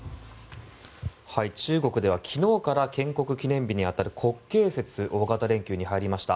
中国では昨日から建国記念日に当たる国慶節、大型連休に入りました。